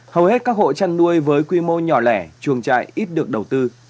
hầu hết các hộ chăn nuôi với quy mô nhỏ lẻ chuồng trại ít được đầu tư